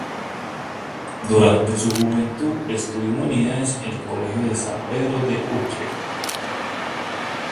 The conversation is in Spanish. Durante su juventud, estudió humanidades en el Colegio San Pedro de Uccle.